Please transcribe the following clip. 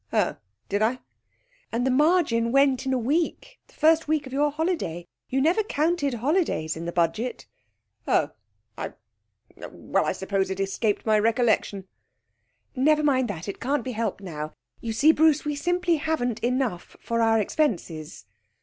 'Oh, did I?' 'And the margin went in a week, the first week of your holiday. You never counted holidays in the Budget.' 'Oh! I I well, I suppose it escaped my recollection.' 'Never mind that. It can't be helped now. You see, Bruce, we simply haven't enough for our expenses.'